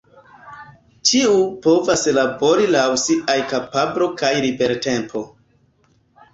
Ĉiu povas labori laŭ siaj kapablo kaj libertempo.